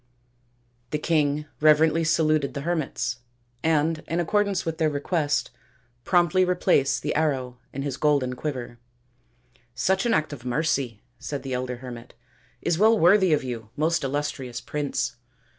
The king reverently saluted the hermits and in accordance with their request promptly replaced the arrow in his golden quiver. " Such an act of mercy/' said the elder hermit, " is well worthy of you, most illustrious Prince.